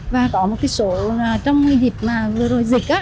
và có một số trong dịp vừa rồi dịch